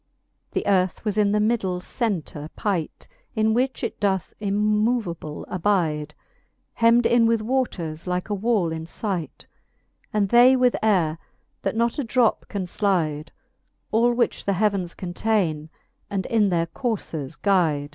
The earth was in the middle centre pight, In which it doth immoveable abide, Hemd in with waters like a wall in fight ; And they with aire, that not a drop can flide : Al which the heavens containe, and in their courfes guide.